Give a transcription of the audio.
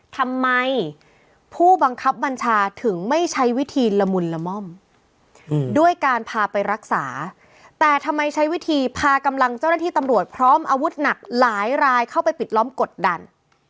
แต่ทำไมใช้วิธีพากำลังเจ้าหน้าที่ตำรวจพร้อมอาวุธหนักหลายรายเข้าไปปิดล้อมกดดัน